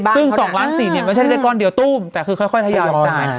ซึ่ง๒๔๐๐๐๐๐บาทมันไม่ใช่ได้ก้อนเดียวตู้มแต่คือค่อยที่ยาวนาน